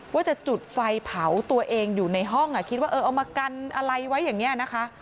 ว่าจะจุดไฟเผาตัวเองอยู่ในห้องคิดว่าเออเอามากันอะไรไว้อย่างนี้นะคะ